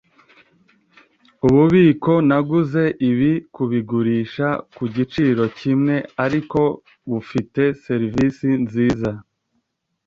Ububiko naguze ibi kubigurisha ku giciro kimwe, ariko bufite serivisi nziza.